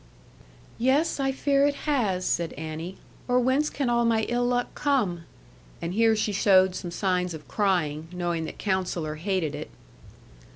'Yes, I fear it has, said Annie; 'or whence can all my ill luck come?' And here she showed some signs of crying, knowing that Counsellor hated it.